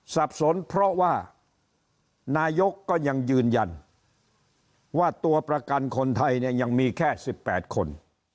สับสนเพราะว่านายกก็ยังยืนยันว่าตัวประกันคนไทยเนี่ยยังมีแค่๑๘คน